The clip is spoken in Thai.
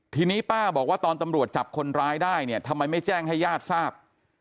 ทีนี้ป้าบอกว่าตอนตำรวจจับคนร้ายได้เนี่ยทำไมไม่แจ้งให้ญาติทราบ